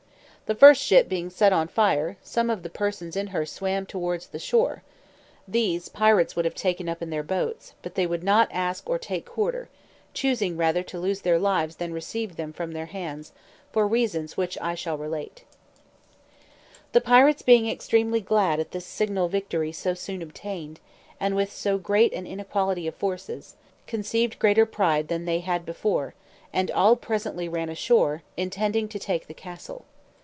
The first ship being set on fire, some of the persons in her swam towards the shore; these pirates would have taken up in their boats, but they would not ask or take quarter, choosing rather to lose their lives than receive them from their hands, for reasons which I shall relate. [Illustration: "'THE FIRE SHIP, SAILING BEFORE THE REST, FELL PRESENTLY UPON THE GREAT SHIP'" Page 158] The pirates being extremely glad at this signal victory so soon obtained, and with so great an inequality of forces, conceived greater pride than they had before, and all presently ran ashore, intending to take the castle.